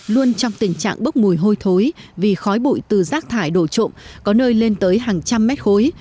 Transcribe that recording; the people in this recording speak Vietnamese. luôn trong tình trạng bốc mùi hôi thối vì khói bụi từ rác thải đổ trộm có nơi lên tới hàng trăm mét khối